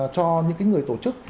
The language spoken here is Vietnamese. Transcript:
cho những cái người tổ chức